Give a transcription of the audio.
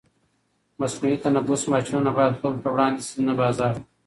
مصنوعي تنفس ماشینونه باید خلکو ته وړاندې شي، نه بازار ته.